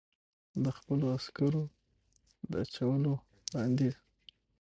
د خپلو عسکرو د اچولو وړاندیز.